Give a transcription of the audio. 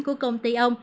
của công ty omicron